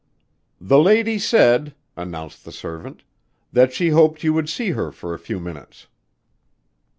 "The lady said," announced the servant, "that she hoped you would see her for a few minutes."